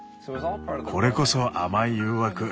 これこそ甘い誘惑。